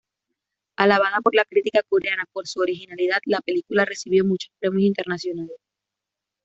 Alabada por la crítica coreana por su originalidad, la película recibió muchos premios internacionales.